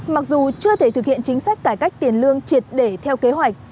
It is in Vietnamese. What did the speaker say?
mặc dù chưa thể thực hiện chính sách cải cách tiền lương triệt để theo kế hoạch